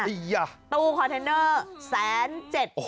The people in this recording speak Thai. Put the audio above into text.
อียะตู้คอนเตนเนอร์๑๐๗๐๐บาท